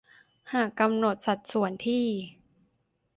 หากกำหนดสัดส่วนที่